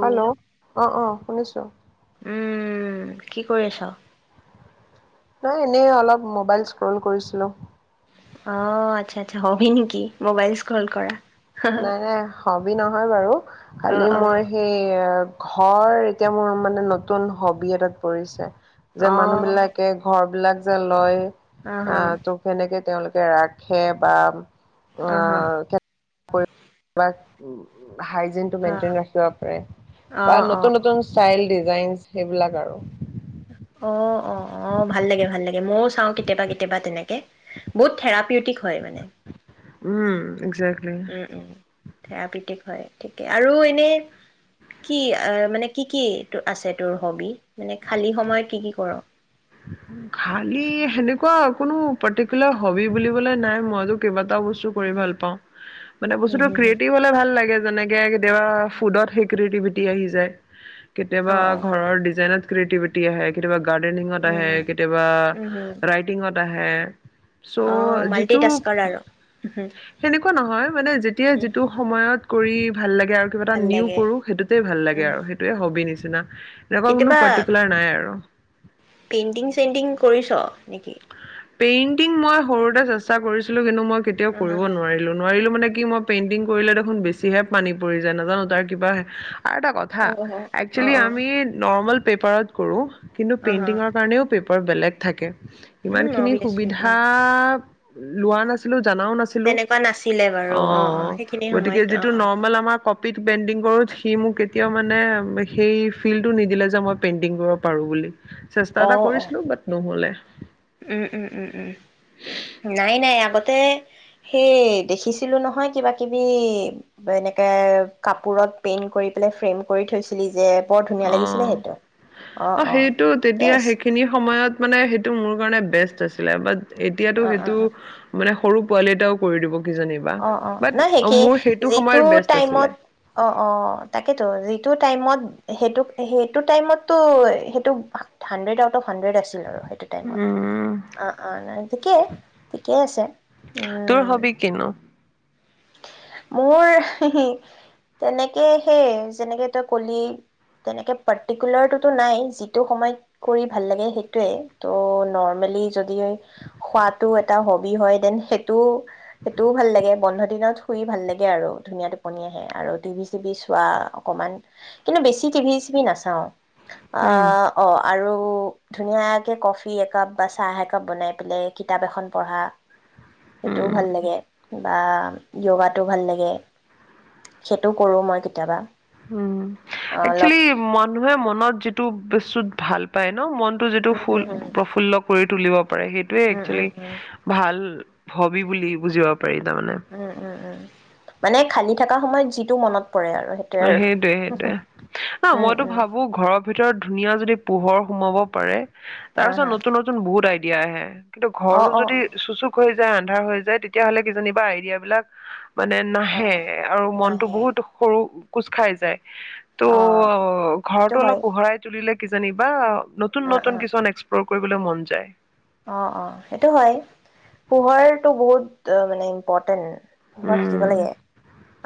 Hello, অ-অ। শুনিছ '? উম, কি কৰি আছ? নাই এনেই অলপ মোবাইল স্ক্ৰল কৰিছিলো। অ, আচ্ছা-আচ্ছা হবি নেকি মোবাইল স্ক্ৰল কৰা? নাই-নাই হবি নহয় বাৰু অ খালি অ মোৰ সেই ঘৰ এতিয়া মোৰ মানে নতুন হবি এটাত পৰিছে। যে অ মানুহ বিলাকে ঘৰ বিলাক যে লয়। অ, ' তো কেনেকে তেওঁলোকে কে ৰাখে বা অ'। কৰি বা হায়জিনটো অ মেনটেইন ৰাখিব লপাৰে অ বা অ নতুন নতুন চাইল সেইবিলাক আৰু অ অ অ ভাল লাগে ভাল লাগে মইও চাওঁ কেতিয়াবা কেতিয়াবা তেনেকে বহুত থেৰাপিউটিক হয় মানে। উম জেক উম, উম। থেৰাপতিক হয় ঠিকে আৰু এনেই কি মানে কি কি আছে তোৰ হ'বি মানে খালি সময়ত কি কি কৰ? খালি সেনেকুৱা কোনো পাৰ্টিকুলাৰ হবি বুলিবলে নাই মইত কেইবা বস্তু উম কৰি ভাল পাওঁ মানে হুম বস্তুটো হুম হুম ক্ৰিয়েটিভ হ'লে ভাল লাগে। যেনেকে কেতিয়াবা ফুডত সেই ক্ৰিয়েটিভিটি আহি যায়। অ কেতিয়াবা অ ঘৰৰ ডিজাইনত ক্ৰিয়টিভিটি আহে কেতিয়াবা গাৰ্ডেনিঙত আহে উম কেতিয়াবা উম হুম ৰাইটিঙত আহে। হে অ চ' যিটো মাল্টিটাস্কাৰ আৰু সেনেকুৱা নহয় মানে যেতিয়া যিটো সময়ত কৰি ভাল লাগ আৰু কিবা এটা ভাল নিউ লাগে কৰো সেইটোতেই ভাল লাগে উম আৰু সেইটোৱে হবি নিচি [unintelligible] [unintelligible] লগৰ বোৰু কোনো কেতিয়াবা পাৰ্টিকুলাৰ নাই আৰু। চেণ্টিং কৰিছ' নেকি? পেইন্টিং মই সৰুতে চেষ্টা কৰিছিলো কিন্তু মই কেতিয়াও অ হ কৰিব হ নোৱাৰিলো নোৱাৰিলো মানে কি মই পেইণ্টিং কৰিলে দেখোন বেছিহে পানী পৰি যায় নাজানো তাৰ কিবা আৰু এটা অ কথা একচেলি অ আমি নৰ্মল পেপাৰত কৰোঁ। কিন্তু অ হ পেইণ্টিঙৰ কাৰণেও পেপাৰ বেলেগ থাকে। উম ইমানখিনি অভিয়াচলি সুবিধা উম লোৱা নাছিলো। জানাও নাছিলো তেনেকুৱা নাছিলে বাৰু অ', সেইখিনি গতিকে সময়ত অ যিটো অ নৰ্মেল আমাৰ কপা পিক পেইণ্টিং কৰোত সি মোক কেতিয়াও মানে সেই ফিল্ডটো নিদিলে যে মই পেইণ্টিং কৰিব পাৰো বুলি। চেষ্টা অ এটা অ কৰিছিলোঁ বাট নহ'লে। উম, উম, উম, উম, নাই, নাই আগতে সেই দেখিছিলো নহয় কিবা কিবি এনেকে কাপোৰত পেইন কৰি পেলাই ফ্ৰেইম কৰি থৈছিলি যে। বৰ ধুনীয়া লাগিছিলে অ', সেইটো অ', সেইটো তেতিয়া সেইখিনি সময়ত। মানে সেইটো মোৰ কাৰণে বেষ্ট আছিলে বাত। এতিয়াতো অ অ সেইটো অ মানে- সৰু পোৱালি এটাও কৰি দিব। কিজানিবা অ', অ', বাট নাই মোৰ সেইটো [unintelligible] সময়ৰ যিটো বেষ্ট আছিলে টাইমত অ', অ', তাকেতো যিটো টাইমত। সেইটো সেইটো টাইমতো সেইটো হানড্ৰেড আউট অফ। হানড্ৰেদ আছিল আৰু সেইটো টাইমত উম, অ', অ', ঠিকে ঠিকে আছে উম, তোৰ হবি উম। কিনো মোৰ তেনেকে সেই যেনেকে তই কলি, তেনেকে পাৰ্টিকুলাৰটোতো নাই যিটো সময়ত কৰি ভাল লাগে সেইটোৱে ত' নৰ্মেলি যদি খোৱাতটো এটা হবি হয় দেন সেইটো সেইটোও ভাল লাগে বন্ধত দিনত শুই ভাল লাগে আৰু ধুনীয়া টোপনি আহে আৰু টিভি চিভি চোৱা অকমান কিন্তু বেছি টিভি চিভি নাচাওঁ। আ‌‌ উম অ আৰু ধুনীয়াকৈ কফি একাপ বা চাহ একাপ বনাই পেলাই কিতাপ এখন পঢ়া। সেইটোও উম ভাল লাগে। বা। য়গাটো ভাল লাগে সেইটো কৰোঁ মই কেতিয়াবা। উম, অ', অলপ একচেলি মানুহে মনত যিটো [unintelligible] ভাল পায় ন? মন- যিটো উম, ফুল প্ৰফুল্ল কৰি তুলিব পাৰে সেইটোৱে হম, হম, উম, উম, একচুৱেলি উম, ভাল। হবি বুলি বুজোৱা। উম, উম, উম মানে খালি থকা সময়ত যিটো মনত। পৰে আৰু আৰু সেইটোৱে সেইটোৱে অ', উম, মইতো উম, ভাবো ঘৰৰ ভিতৰত ধুনীয়া যদি পোহৰ সোমাব পাৰে। তাৰ আহ, পিছত হা, নতুন নতুন বহুত দিয়া আহে। কিন্তু অ', ঘৰটো অ', যদি চুচুক হৈ আন্ধাৰ হৈ যায় তেতিয়াহ'লে কিজানিবা আইডিয়াবিলাক মানে নাহে অ', আৰু মনটো নাহে বহুত সৰু- কোচখাই যায়। ত' অ', সেইটো ঘৰতো হয় অলপ পোহৰাই তুলিলে কিজানিবা। নতুন অ', নতুন অ', কিছুমান এক্সপ্ল কৰিবলৈ মন যায়। অ', অ', সেইটো হয় পোহৰটো বহুত মানে ইম্পৰ্টেণ্ট। পোহৰ থাকিব উম লাগে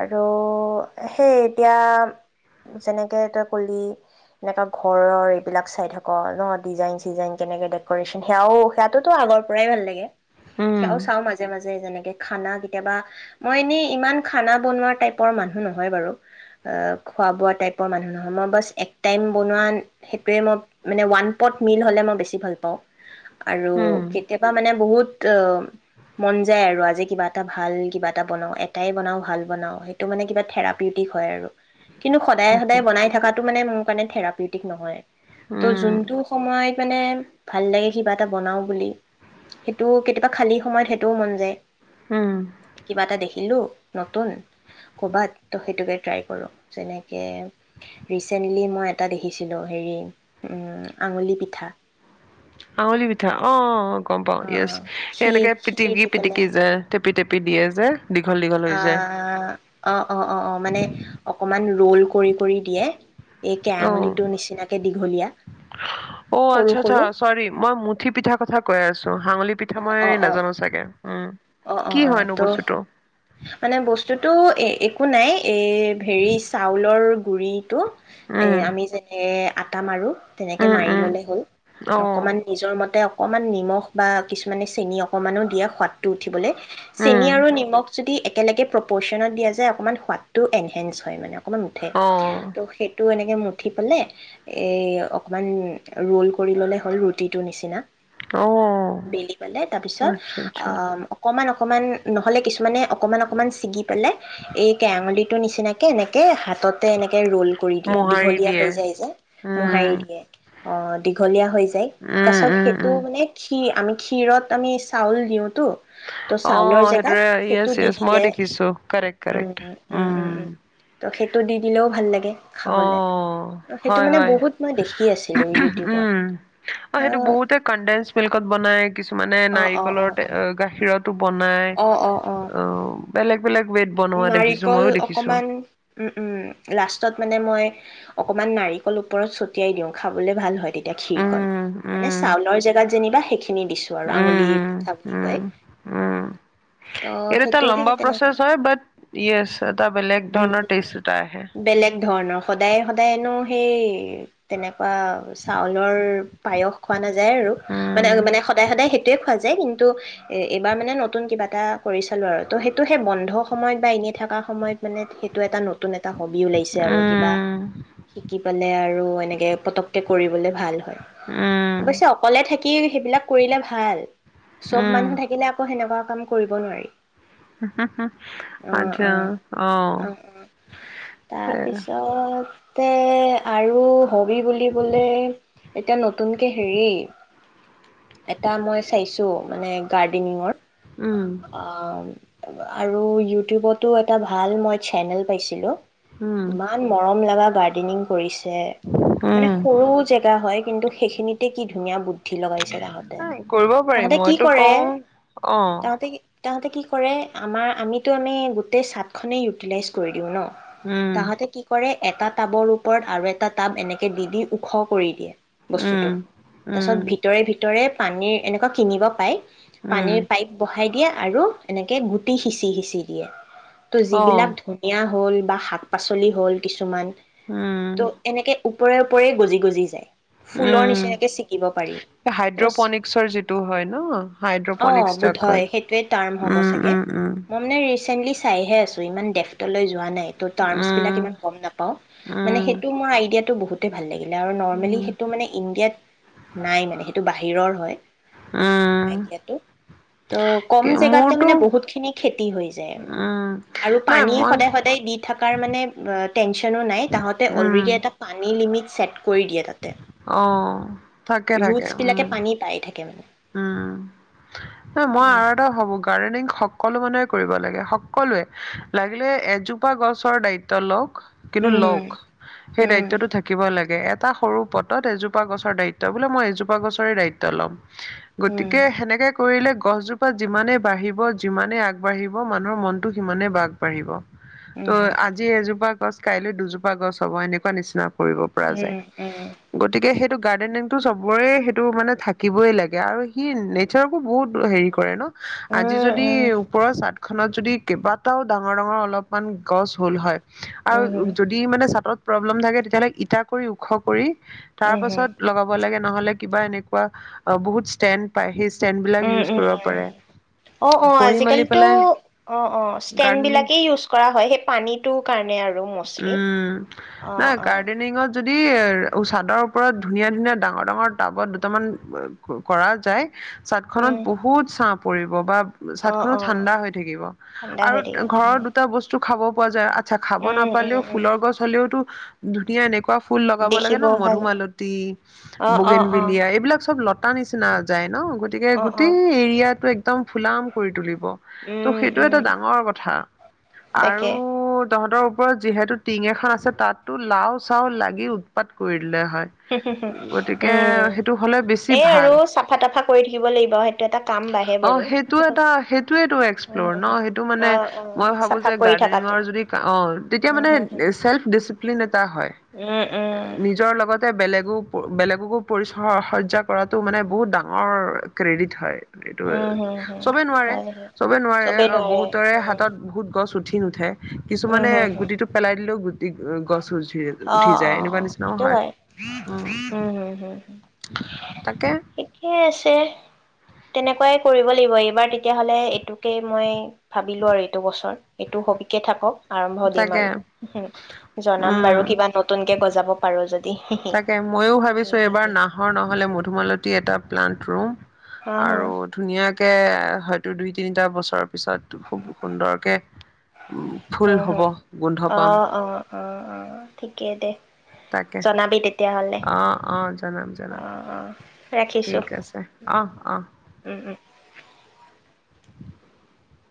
আৰু অ', সেই এতিয়া, যেনেকে তই ক'লি এনেকা ঘৰৰ এইবিলাক চাই থাক ন ডিজাইন চিজাইন কেনেকে ডেক'ৰেচন সেয়াও, সেয়াতোতো আগৰ পৰাই ভাল লাগে উম সেয়াও চাও মাজে মাজে যেনেকে খানা কেতিয়াবা, মই এনেই ইমান খানা বনোৱা টাইপৰ মানুহ নহয় বাৰু খোৱা বোৱা টাইপৰ মানুহ নহয় মই ব এক টাইম বনোৱা সেইটোৱে মই মানে ওৱান পট মিল হ'লে মই বেছি ভাল পাওঁ। আৰু উম কেতিয়াবা মানে বহুত মন যায় আৰু আজি কিবা এটা ভাল কিবা এটা বনাওঁ এটাই বনাওঁ ভাল বনাওঁ সেইটো মানে কিবা থেৰাপিউটিক হয় আৰু কিন্তু সদায় তাকে সদায় বনাই থকাত মানে মোৰ কাৰণে থেৰাপিউটিক নহয় তই উম যোনটো সময়ত মানে ভাল লাগে কিবা এটা বনাও বুলি, সেইটো কেতিয়াবা খালী সময়ত সেইটোও মন যায় উম কিবা এটা দেখিলো নতুন ক'ৰবাত ত' সেইটোকে ট্ৰাই কৰোঁ, যেনেকে ৰিচেণ্টলি মই এটা দেখিছিলোঁ হেৰি আঙুলি পিঠা। আঙুলি পিঠা অ', গম পাওঁ অঁ য়েছ অঁ এ খীৰ এনেকে খীৰ পিটিকি দি পিটিকি যে টেপি টেপি দিয়ে যে দীঘল দীঘল হৈ যায় অ', অ', অ', অ', মানে অকমান ৰোল কৰি কৰি দিয়ে। এই অ, কেৰাঙুলিটোৰ নিচিনাকে দীঘলীয়া অ', সৰু আচ্ছা-আচ্ছা সৰু চৰি মই মুঠি পিঠা কথা কৈ আছো আঙুলি পিঠা অঁ মই অঁ অঁ নাজানো চাগে, উম অঁ অঁ কি অঁ হয়নো তো বস্তুটো? মানে বস্তুটো একো নাই এই হেৰি চাউলৰ গুৰিটো এ উম আমি যেনে আটা মাৰো তেনেকে উম মাৰি উম ললে হ'ল অ অকমান নিজৰ মতে অকণমান নিমখ বা কিছুমানে চেনি অকণমানো দিয়া সোৱাদটো উঠিবলৈ চেনি উম আৰু নিমখ যদি একেলগে প্ৰপচনত দিয়া যায় অকণমান সোৱাদটো এনহেঞ্চ হয় মানে অকমান উঠে অ ত' সেইটো এনেকে উঠি পেলাই এই অকণমান ৰ'ল কৰি ল'লে হ'ল ৰুটিটোৰ নিচিনা অ বেলি পালে তাৰপিছত আচ্ছা আচ্ছা অ- অকমান অকণমান নহ'লে কিছুমানে অকণমান অকণমান ছিগি পেলাই এই কে আঙন্দিটোৰ নিচিনাকৈ এনেকৈ হাতত তে এনেকে ৰোল কৰি দিয়ে মোহাৰি দীঘলীয়া দিয়ে হৈ যায় যে, মোহাৰি উম দিয়ে, অ', দীঘলীয়া হৈ যায় তাৰ উম পিছত উম সেইটো উম মানে খীৰ আমি ক্ষীৰত আমি চাউল দিওঁ। অ', সেইটোৱে সেইটো য়েছ, দি য়েছ দিলে মই দেখিছো কাৰেক্ট কাৰেক্ট উম, টো দি দিলেও ভাল লাগে। খাবলে অ', সেইটো হয় মানে হয়, বহুত মই দেখি আছিলো ইউটিউবত উম, অ', সেইটো বহুতে কণ্ডেনচ মিল্কত বনাই কিছুমানে অ অ অ অ নাৰিকলৰ তে গাখীৰৰ টো বনাই অ অ অ অ উম, বেলেগ বেলেগ ৱে'ত বনোৱা দেখিছোঁ, নাৰিকল মইও দেখিছোঁ। অকমান উম উম লাষ্টত মানে মই অকমান নাৰিকল ওপৰত ছটিয়াই দিওঁ খাবলে ভাল হয় তে তেতিয়া খীৰকণ উম, মানে উম, চাউলৰ জেগাত যেনিবা খিনি দিছো আৰু আঙুলি উম, পিঠা বুলি কয়। উম, উম, ত' এইটো এটা সেইটো সেই লম্বা তেনেকুৱা প্ৰচেছ হয় বাট ইয়েছ এটা বেলেগ উম ধৰণৰ উম টেষ্ট এটা আহে। বেলেগ ধৰণৰ সদায় সদায়নো সেই তেনে বা চাউলৰ পায়স খোৱা নাযায় আৰু মানে উম, মানে সদায় সদায় সেইটোয়ে খোৱা যায়। য়ে কিন্তু এ বা মানে নতুন কিবা এটা কৰি চালো আৰু ত' সেইটো সেই বন্ধ সময়ত বা এনেই থকা সময়ত মানে সেইটো এটা ন নতুন এটা হবি ওলাইছে আৰু কিবা উম, শিকি পেলে আৰু এনেকে পটককে কৰিবলে ভাল হয়। উম, অৱশ্যে অকলে থাক সি সেইবিলাক কৰিলে ভাল। চব উম। মানুহ থাকিলে সেনেকুৱা কাম কৰিব নোৱাৰি। অ', আচ্ছা, অ', অ' এ তে আৰু হবি বুলিবলে এতিয়া নতুনকে হেৰি এটা মই চাইছো মানে গাৰ্ডেনিঙৰ। উম, অ'। আৰু ইউটিউবতো এটা ভাল মই চেনেল পাইছিলো। উম, ইমান মৰম লাগা। গাৰ্ডেনিং কৰিছে। যে মানে উম। সৰু জেগা হয় কিন্তু সেইখিনিতে কি ধুনীয়া বু [unintelligible] কৰিব পাৰি, মইতো কৰে কওঁ অ তাহাঁতে কি তাহাঁতে কি কৰে, আমাৰ আমিতো আমি গোটেই ছাদখনেই ইউটিলাইজ কৰি দিওঁ ন। উম তাহাঁতে কি কৰে এটা টাবৰ ওপৰত আৰু এটা টাব এনেকে দি দি ওখ কৰি দিয়ে। বস্তুটো উম তাৰপাছত উম ভিতৰে ভিতৰে। পানীৰ এনেকুৱা কিনিব পায়। উম পানীৰ পাইপ বহাই দিয়ে। আৰু? টো অ যিবিলাক ধুনীয়া। হ'ল বা শাক পাচলি হ'ল কিছুমান। উম ত' এনেকে। ওপৰে ওপৰে গজি গজি যায়। ফুলৰ উম, নিচিনাকে ছিকিব পাৰি। ত' হাইড্ৰপনিক্সৰ যিটো হয় ন? অ, হাইড্ৰপনিক্স যাক বোধয় কয় সেইটোৱে টাৰ্ম হ'ব উম চাগে, উম উম মই মানে। ৰিচেণ্টলি চাইহে আছো ইমান ডেফটলৈ যোৱা নাই। ত' উম টাৰ্মছবিলাক ইমান গম নাপাওঁ, মানে উম সেইটো মই আইডিয়াত। টো বহুতে ভাল লাগে। আৰু নৰ্মেলি উম সেইটো মানে ইণ্ডিয়াত নাই মানে সেইটো বাহিৰত। হিৰৰ হয়। উম আইডিয়াটো। ত' কম জেগাতে মোৰতো মানে বহুত খিনি খেতি হৈ যায় আৰু উম আৰু নাই পানী মই সদায় সদায় দি থকাৰ মানে টেনচনো নাই তাহতে উম অলৰেডি এটা পানী লিমিট। ছেট কৰি দিয়ে তাত। অ থাকে থাকে বিলাকে উম। পানী পাই থাকে মানে। উম। ন মই উম, আৰু এটা হাবো গাৰ্ডেনিং। সকলো মানুহে কৰিব লাগে সকলোৱে লাগিলে এজোপা গছৰ দায়িত্ব লওক। কিন্তু লগ উম, সেই হুম, দায়িত্বটো থাকিব লাগে। তাৰ সৰু পটত এজোপা গছৰ দায়িত্ব বোলে মই এজোপা গছৰে দায়িত্ব ল'ম। উম, গতিকে সেনেকে কৰিলে। গছজোপা যিমানেই বাঢ়িব যিমানে আগবাঢ়িব মানুহৰ মনটো সিমানেই বাগবাঢ়িব। তো উম, আজি এজোপা। গছ কাইলৈ দুজোপা গছ হ'ব এনেকুৱা নিচিনা। কৰিব পৰা উম, যায় হুম, উম, গতিকে সেইটো গাৰ্ডেনিংতটো চবৰে সেইটো মানে থাকিবই লাগে। আৰু সি নেচাৰকো বহুত হেৰি কৰে ন। আজি উম, যদি উম, ওপৰ চাত। খানত যদি কেইবাটাও ডাঙৰ ডাঙৰ অলপমান গছ হ'ল হয়। উম, উম, আৰু হুম, যদি মানে চাতত প্ৰব্লেম থাকে, তেতিয়াহ'লে ইটা কৰি ওখ কৰি, তাৰ উম, হুম, পাছত লগাব লাগে নহলে কিবা এনেকুৱা অ বহুত ষ্টেণ্ড পাই হে উ উ উ অ'অ' কৰি মেলি আজিকালিতো পেলাই অ' অ' ষ্টেণ্ড গাৰ্ডেনিং বিলাকেই ইউজ কৰা হয়। সেই পানীটো কাৰণে আৰু ম'ষ্টলি। উম, নাই অ', অ', গাৰ্ডেনিঙত যদি যদি, চাদৰ ওপৰত ধুনীয়া ধুনীয়া ডাঙৰ ডাঙৰ টাবত দুটামান কৰা যায় চাট খনত উম, বহুত চাঁ পৰিব বা চাদ অ', খনো অ', ঠাণ্ডা হৈ থাকিব। ঠাণ্ডা আৰু হৈ থাকে ঘৰ উম, দুটা বস্তু খাব পোৱা যায়, আচ্ছা খাব না উম, হলেও, উম, উম, ফুলৰ গছ হ'লেওতো দুুটয়া এনে একুৱা ফুল লগাব লাগে দেখিব ন ভাল মধুমালতী, অ', অ', অ', বগেনবেলিয়, এইবিলাক চব লতা নিচিনা যায় ন গতিকে অ', গোটেই অ', এৰিয়াতো একদম ফুলাম কৰি তুলিব। ত' উম, সেইটো এটা উম, ডাঙৰ কথা, আৰু তাকে তহঁতৰ ওপৰত যিহেতু টিং এখন আছে, তাতো লাও চাও লাগি উৎপাত কৰি গ'লে হয় উম। সেইটো হলে বেছি সেই আৰু ভাল চাফা তাফা কৰি থাকিব লাগিব সেইটো এটা কাম বাঢ়ে বাৰু। উম হুম হুম অ অ চাফা কৰি থাকাটো উম মানে হম হম চেল্ফ ডচিপ্লেন এটা হয়। উম উম উম নিজৰ লগত তে বেলেগকো পৰিচজ্জ্বা কৰাতো মানে বহুত ডাঙৰ ক্ৰেডিট হয়। এইটো হম হম চবে নোৱাৰে হয় হয় চবে নোৱাৰে চবেই অ' নোৱাৰে বহুতৰে উম হাতত বহুত গছ উঠি সি নুথে। উম কিছুমানে হম হম গুটিটো পেলাই দিলেও গুটি গছ উঠি উঠি অ' অ' যায় এনেকুৱা অ' নিচিনাও সেইটো হয়, উম হম হম তাকে থিকে আছে তে তেনেকুৱাই কৰিব লাগিব, এইবাৰ তেতিয়াহ'লে এইটোকে মই ভাবিলো আৰু, এইটো বছৰ এইটো হবিকে থাকক। আৰম্ভ দিম তাকে আৰু। ৰুম উম বাৰু, কিবা নতুন কে গজাব পাৰো [unintelligible] তাকে, ময়ো হি ভাবিছোঁ। হি এইবাৰ হি নাহৰ নহ'লে মধুমালতী এটা প্লান্ত ৰুম হা হা আৰু ধুনীয়াকে হয়তো। দুই-তিনিটা বছৰৰ পিছত খুব সুন্দৰকে ফুল হয়, হ'ব হয়। গোন্ধ পাম অ', অ', অ, অ, ঠিকে দে। তাকে জনাবি তেতিয়াহ'লে অ, অ, জনাম অ জনাম। অ ৰাখিছোঁ ঠিক আছে। অহ্ অহ্।